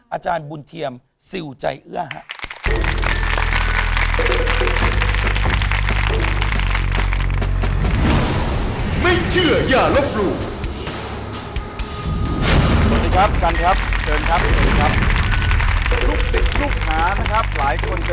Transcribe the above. อาจารย์เทียมใส่ทองเยอะเหมือนกันนะ